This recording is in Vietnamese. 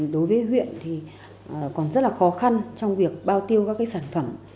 đối với huyện thì còn rất là khó khăn trong việc bao tiêu các sản phẩm